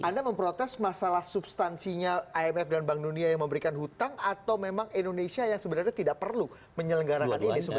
anda memprotes masalah substansinya imf dan bank dunia yang memberikan hutang atau memang indonesia yang sebenarnya tidak perlu menyelenggarakan ini sebenarnya